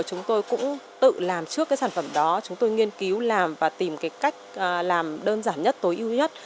chúng tôi nghiên cứu làm và tìm cái cách làm đơn giản nhất tối ưu nhất